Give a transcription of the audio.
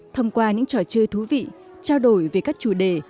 thông qua những trò chơi thú vị trao đổi về các chủ đề